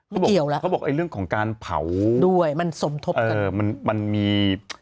ไม่เกี่ยวแล้วดูไว้มันสมทบกันมันมี